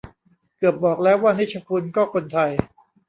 เกือบบอกแล้วว่านิชคุนก็คนไทย